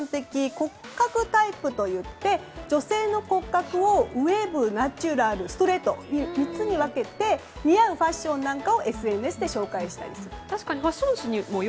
骨格タイプといって女性の骨格をストレートウェーブ、ナチュラルの３つに分けて似合うファッションなんかをＳＮＳで紹介したりする。